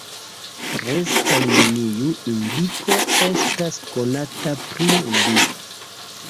Preskaŭ neniu indiko estas konata pri li.